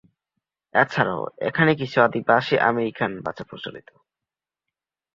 এছাড়াও এখানে কিছু আদিবাসী আমেরিকান ভাষা প্রচলিত।